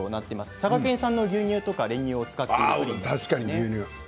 佐賀県産の牛乳などを使っています。